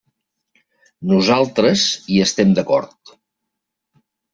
Nosaltres hi estem d'acord.